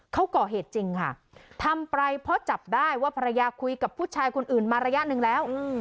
เขาก่อเหตุจริงค่ะทำไปเพราะจับได้ว่าภรรยาคุยกับผู้ชายคนอื่นมาระยะหนึ่งแล้ว